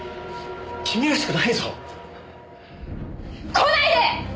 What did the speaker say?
来ないで！